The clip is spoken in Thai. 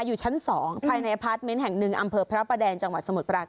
อยู่ชั้น๒ภายในอพาร์ทเมนต์แห่งหนึ่งอำเภอพระประแดงจังหวัดสมุทรปราการ